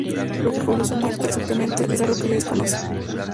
Lo que causó su muerte, exactamente, es algo que se desconoce.